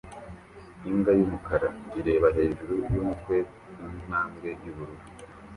Imbwa yumukara ireba hejuru yumutwe ku ntambwe yubururu